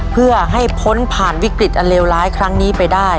เพื่อให้พ้นผ่านวิกฤตอันเลวร้ายครั้งนี้ไปได้